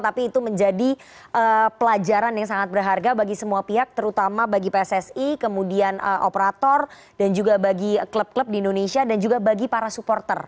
tapi itu menjadi pelajaran yang sangat berharga bagi semua pihak terutama bagi pssi kemudian operator dan juga bagi klub klub di indonesia dan juga bagi para supporter